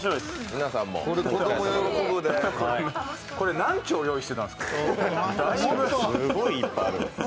これ何丁用意してたんですか？